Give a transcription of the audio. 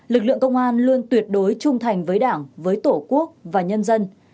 lực lượng công an luôn tuyệt đối trung thành với đảng với tổ quốc và nhân dân